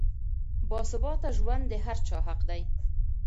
باثباته ژوند د هر چا حق دی.